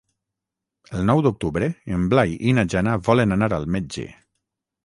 El nou d'octubre en Blai i na Jana volen anar al metge.